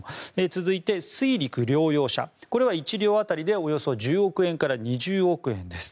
続いて、水陸両用車これは１両当たりでおよそ１０億円から２０億円です。